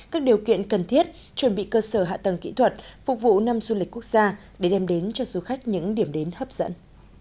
các điều kiện cần thiết chuẩn bị cơ sở hạ tầng kỹ thuật phục vụ năm du lịch quốc gia để đem đến cho du khách những điểm đến hấp dẫn